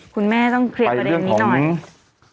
คุณแม่ต้องเคลียร์ประเด็นนี้หน่อย